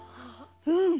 うん。